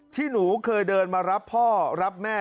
ที่หนูเคยเดินมารับพ่อรับแม่